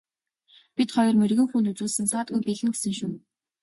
Бид хоёр мэргэн хүнд үзүүлсэн саадгүй биелнэ гэсэн шүү.